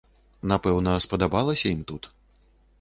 Напэўна, спадабалася ім тут.